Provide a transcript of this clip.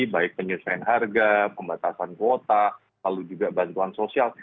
baik penyesuaian harga pembatasan kuota lalu juga bantuan sosial